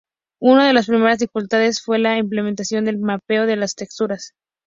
Una de las primeras dificultades fue la implementación del mapeo de las texturas.